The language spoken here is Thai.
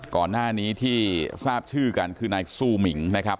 ก่อนหน้านี้ที่ทราบชื่อกันคือนายซู่หมิงนะครับ